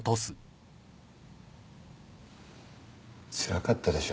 つらかったでしょ。